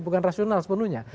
bukan rasional sepenuhnya